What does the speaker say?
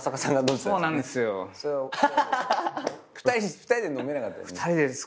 ２人で飲めなかった。